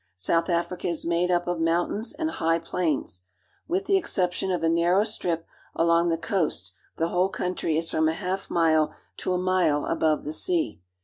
South Africa is made up of moun tains and high plains. With the exception of a narrow strip along the coast the whole country is from a half mile to a mile above the sea.